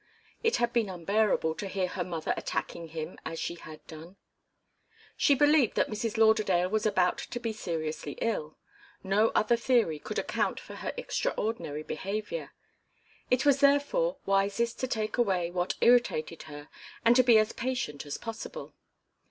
It had been unbearable to hear her mother attacking him as she had done. She believed that Mrs. Lauderdale was about to be seriously ill. No other theory could account for her extraordinary behaviour. It was therefore wisest to take away what irritated her and to be as patient as possible.